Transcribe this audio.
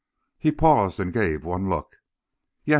"He paused and gave one look. 'Yes!'